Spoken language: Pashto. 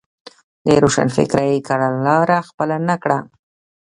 د روښانفکرۍ کڼلاره خپله نه کړه.